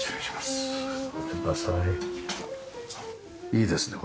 いいですね